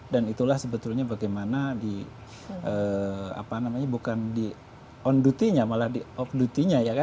dan itulah sebetulnya bagaimana di apa namanya bukan di on duty nya malah di off duty nya ya kan